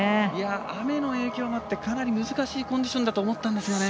雨の影響もあってかなり難しいコンディションだと思ったんですが。